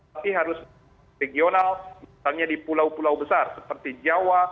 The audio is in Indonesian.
tapi harus regional misalnya di pulau pulau besar seperti jawa